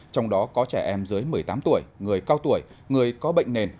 trong đó có trẻ em dưới một mươi tám tuổi người cao tuổi người có bệnh nền